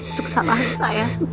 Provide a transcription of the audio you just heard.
itu kesalahan saya